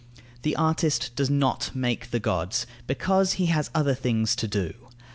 The artist does not make the gods, because he has other things to do.